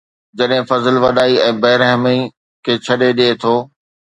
جڏهن فضل وڏائي ۽ بي رحمي کي ڇڏي ڏئي ٿو